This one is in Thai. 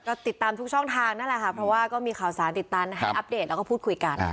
ก็ติดตามทุกช่องทางนั่นแหละค่ะเพราะว่าก็มีข่าวสารติดตันให้อัปเดตแล้วก็พูดคุยกัน